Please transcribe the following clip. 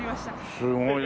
すごいね。